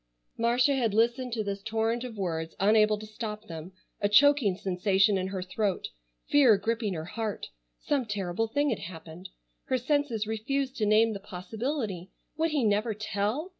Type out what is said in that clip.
Marcia had listened to this torrent of words unable to stop them, a choking sensation in her throat, fear gripping her heart. Some terrible thing had happened. Her senses refused to name the possibility. Would he never tell?